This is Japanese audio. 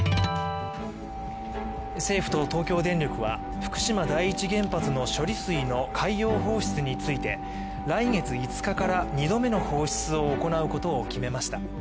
政府と東京電力は、福島第一原発の処理水の海洋放出について来月５日から２度目の放出を行うことを決めました。